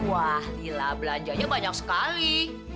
wah lila belanjanya banyak sekali